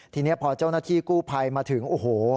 ทีนี้พอเจ้าหน้าที่กู้ภัยมาถึงโอ้โห